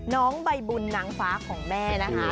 น้องใบบุญนางฟ้าของแม่นะคะ